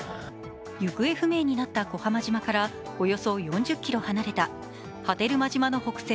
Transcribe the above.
行方不明になった小浜島からおよそ４０ｋｍ離れた波照間島の北西